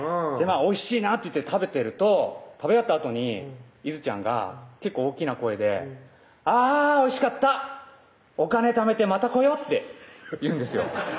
「おいしいな」って言って食べてると食べ終わったあとにいずちゃんが結構大きな声で「あぁおいしかった！」「お金ためてまた来よ！」って言うんですよ